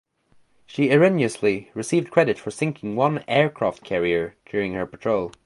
She erroneously received credit for sinking one aircraft carrier during her patrol.